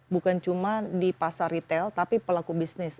bukan cuma di pasar retail tapi pelaku bisnis